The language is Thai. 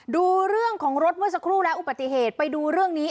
ดูเรื่องของรถเมื่อสักครู่และอุบัติเหตุไปดูเรื่องนี้